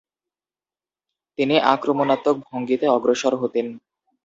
তিনি আক্রমণাত্মক ভঙ্গীতে অগ্রসর হতেন।